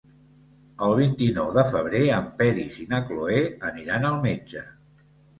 El vint-i-nou de febrer en Peris i na Cloè aniran al metge.